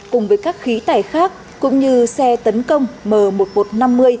cùng với các khí tải khác cũng như xe tấn công m một nghìn một trăm năm mươi